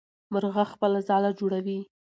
مرغه خپله ځاله جوړوي.